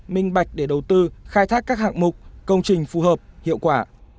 minh bạch để đầu tư khai thác các hạng mục công trình phù hợp hiệu quả